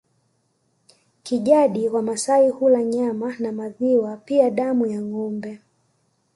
Kijadi Wamasai hula nyama na maziwa pia damu ya ngombe